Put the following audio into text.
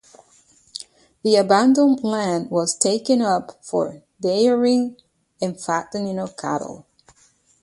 The abandoned land was taken up for dairying and the fattening of cattle.